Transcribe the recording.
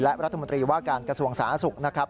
และรัฐมนตรีว่าการกระทรวงสาธารณสุขนะครับ